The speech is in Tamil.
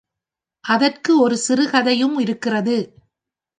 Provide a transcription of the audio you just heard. அதற்கு ஒரு சிறு கதையும் இருக்கிறது.